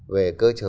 về cơ chở